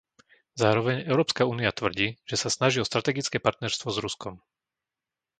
Zároveň Európska únia tvrdí, že sa snaží o strategické partnerstvo s Ruskom.